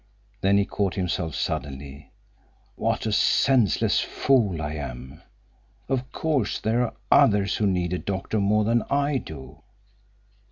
Then he caught himself suddenly. "What a senseless fool I am! Of course there are others who need a doctor more than I do."